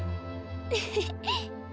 フフフ。